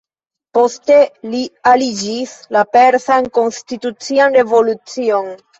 Poste, li aliĝis la Persan Konstitucian Revolucion.